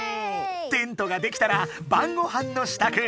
テントが出来たらばんごはんのしたく。